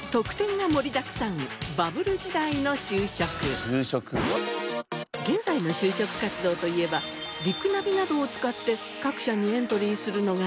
続いては現在の就職活動といえばリクナビなどを使って各社にエントリーするのが一般的。